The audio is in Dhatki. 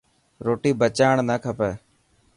روٽي بچائڻ نه کپي.